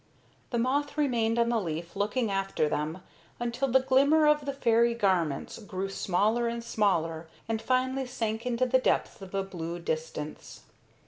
The moth remained on the leaf looking after them until the glimmer of the fairy garments grew smaller and smaller and finally sank into the depths of the blue distance.